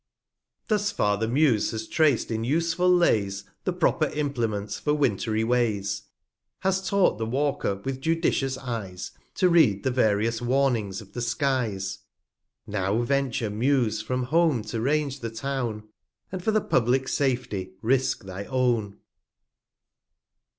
far the Muse has trac'd in useful Lays, The proper Implements for Wintry Ways; Has taught the Walker, with judicious Eyes, To read the various Warnings of the Skies. Now venture, Muse, from Home to range the Town, And for the publick Safety risque thy own.